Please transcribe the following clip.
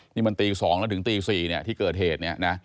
นี่มันตี๒แล้วถึงตี๔เนี่ยที่เกิดเหตุเนี่ยนะ